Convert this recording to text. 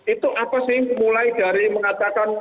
itu apa sih mulai dari mengatakan